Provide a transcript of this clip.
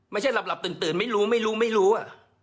ไม่ใช่หลับหลับตื่นตื่นไม่รู้ไม่รู้ไม่รู้อ่ะ